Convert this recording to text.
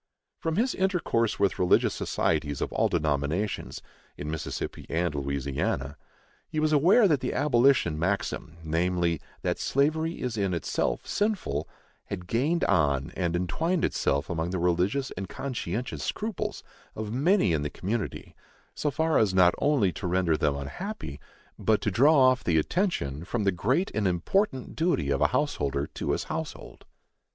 From his intercourse with religious societies of all denominations, in Mississippi and Louisiana, he was aware that the abolition maxim, namely, that slavery is in itself sinful, had gained on and entwined itself among the religious and conscientious scruples of many in the community so far as not only to render them unhappy, but to draw off the attention from the great and important duty of a householder to his household.